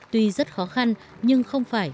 tuy rất khó khăn nhưng không phải